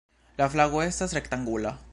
La flago estas rektangula.